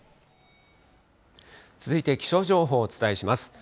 続いて気象情報をお伝えします。